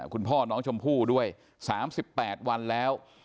คุณพ่อน้องชมพู่ด้วย๓๘วันแล้ว